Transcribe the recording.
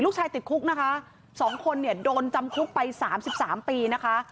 ลูกชายติดคุกนะคะสองคนโดนจำคุกไป๓๓ปีนะคะ